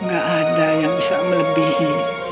gak ada yang bisa melebihi